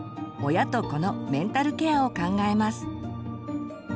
親と子のメンタルケアを考えます。